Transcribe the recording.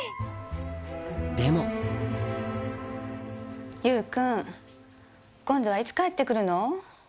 でもゆう君今度はいつ帰って来るの？